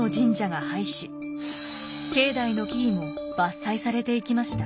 境内の木々も伐採されていきました。